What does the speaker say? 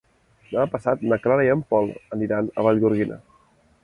Demà passat na Clara i en Pol aniran a Vallgorguina.